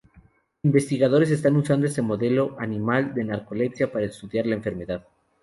Investigadores están usando este modelo animal de narcolepsia para estudiar la enfermedad.